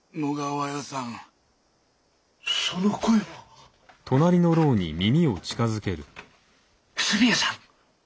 その声は和泉屋さん？